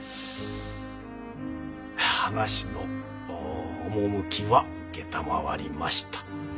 話の趣は承りました。